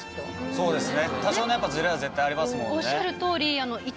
そうですね。